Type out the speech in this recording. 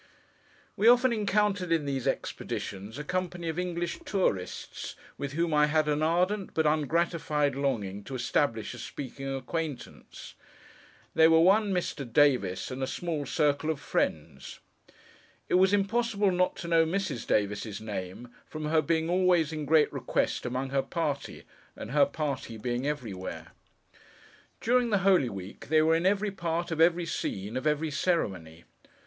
We often encountered, in these expeditions, a company of English Tourists, with whom I had an ardent, but ungratified longing, to establish a speaking acquaintance. They were one Mr. Davis, and a small circle of friends. It was impossible not to know Mrs. Davis's name, from her being always in great request among her party, and her party being everywhere. During the Holy Week, they were in every part of every scene of every ceremony.